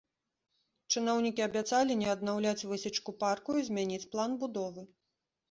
Чыноўнікі абяцалі не аднаўляць высечку парку і змяніць план будовы.